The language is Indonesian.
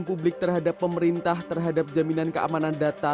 dan publik terhadap pemerintah terhadap jaminan keamanan data